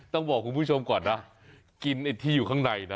ต้องบอกคุณผู้ชมก่อนนะกินไอ้ที่อยู่ข้างในนะ